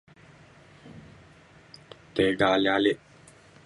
tiga ale ale.